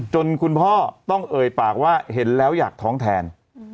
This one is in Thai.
คุณพ่อต้องเอ่ยปากว่าเห็นแล้วอยากท้องแทน